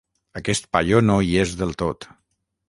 Aquest paio no hi és del tot.